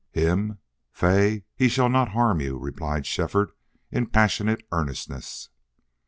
"Him! Fay he shall not harm you," replied Shefford in passionate earnestness.